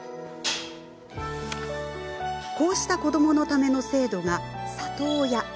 こうした子どものための制度が里親。